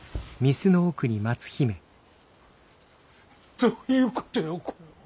どういうことやこれは。